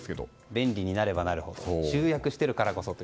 便利になればなるほど集約しているからこそ。